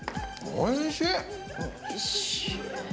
おいしい！